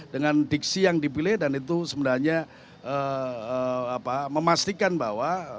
dengan diksi yang dipilih dan itu sebenarnya memastikan bahwa